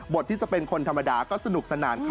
ที่จะเป็นคนธรรมดาก็สนุกสนานค่ะ